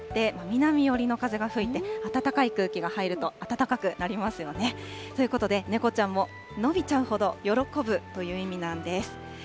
猫ちゃんなんですね。というのも、秋に低気圧が通って、南寄りの風が吹いて暖かい空気が入ると暖かくなりますよね。ということで、猫ちゃんも伸びちゃうほど喜ぶという意味なんです。